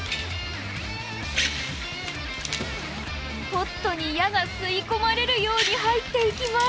ポットに矢が吸い込まれるようにはいっていきます。